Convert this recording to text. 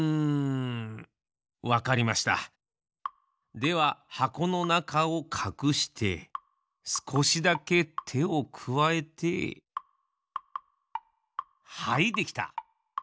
でははこのなかをかくしてすこしだけてをくわえてはいできた！